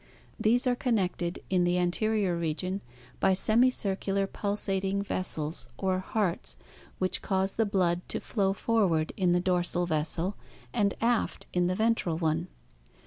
These are con nected in the anterior region by semicircular pulsating vessels or " hearts" which cause the blood to flow forward in the dorsal vessel and aft in the ventral one.